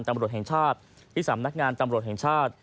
ตำรวจแห่งชาติที่สำนักงานตำรวจแห่งชาติ